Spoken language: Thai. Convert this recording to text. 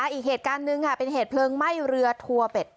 อีกเหตุการณ์หนึ่งค่ะเป็นเหตุเพลิงไหม้เรือทัวเป็ด